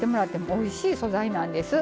おいしい素材なんです。